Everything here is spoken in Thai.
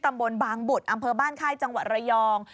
บางบุตรอำเภอบ้านค่ายจังหวัดระยอง